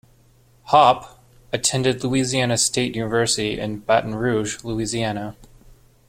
Hawpe attended Louisiana State University in Baton Rouge, Louisiana.